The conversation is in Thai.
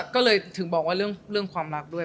ก็เลยถึงบอกว่าเรื่องความรักด้วย